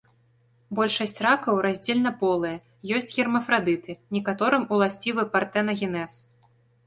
Большасць ракаў раздзельнаполыя, ёсць гермафрадыты, некаторым уласцівы партэнагенез.